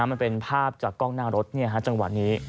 มันเป็นภาพจากกล้องหน้ารถจังหวะนี้